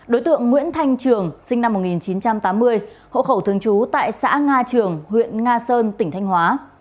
đối tượng nguyễn thanh trường sinh năm một nghìn chín trăm tám mươi hộ khẩu thường trú tại xã nga trường huyện nga sơn tỉnh thanh hóa